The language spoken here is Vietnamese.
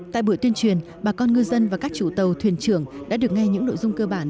tại buổi tuyên truyền bà con ngư dân và các chủ tàu thuyền trưởng đã được nghe những nội dung cơ bản